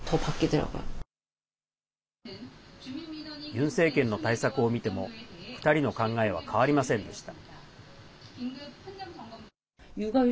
ユン政権の対策を見ても２人の考えは変わりませんでした。